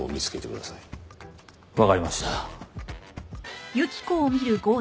わかりました。